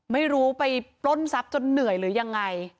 ไม่รู้ไปปล้นทรัพย์จนเหนื่อยหรือยังไง